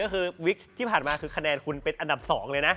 ก็คือวิกที่ผ่านมาคือคะแนนคุณเป็นอันดับ๒เลยนะ